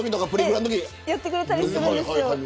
やってくれたりするんですよ。